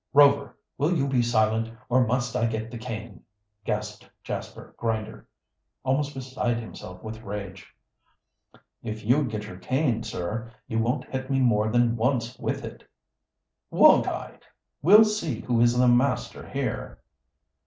"Rover, will you be silent, or must I get the cane?" gasped Jasper Grinder, almost beside himself with rage. "If you get your cane, sir, you won't hit me more than once with it." "Won't I? We'll see who is master here."